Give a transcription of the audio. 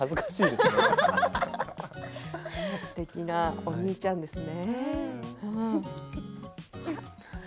すてきなお兄ちゃんですね。